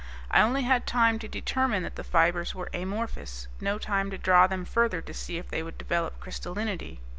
I only had time to determine that the fibers were amorphous no time to draw them further to see if they would develop crystallinity.